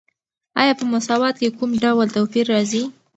آیا په مساوات کې کوم ډول توپیر راځي؟